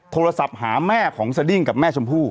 โทรศัพท์หาแม่ของสดิ้งกับแม่ชมพู่